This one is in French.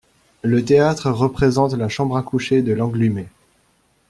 Le théâtre représente la chambre à coucher de Lenglumé.